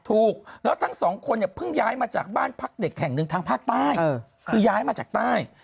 ถูกแล้วทั้งสองคนเนี่ยเพิ่งย้ายมาจากบ้านพักเด็กแห่งหนึ่งทางภาคใต้คือย้ายมาจากใต้